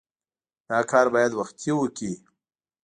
دا کار باید وختي وکړې.